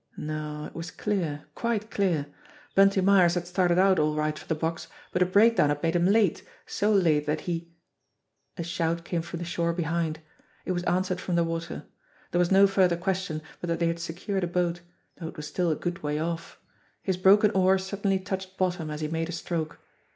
No, it was clear, quite clear! Bunty Myers had started out all right for the box, but a breakdown had made him late, so late that he A shout came from the shore behind. It was answered 254 JIMMIE DALE AND THE PHANTOM CLUE from the water. There was no further question but that they had secured a boat, though it was still a good way off. His broken oar suddenly touched bottom as he made a stroke.